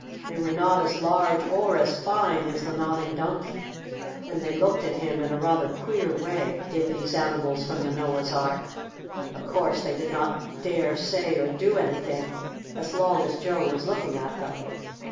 They were not as large or as fine as the Nodding Donkey, and they looked at him in a rather queer way, did these animals from the Noah's Ark. Of course they did not dare say or do anything as long as Joe was looking at them.